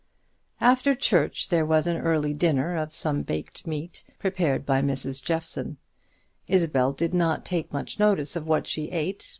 After church there was an early dinner of some baked meat, prepared by Mrs. Jeffson. Isabel did not take much notice of what she ate.